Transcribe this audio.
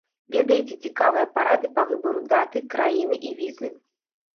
Ведаеце цікавыя парады па выбару даты, краіны і візы?